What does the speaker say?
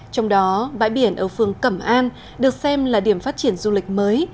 trong đó bãi biển ở phường cẩm an được xem là điểm phát triển du lịch mới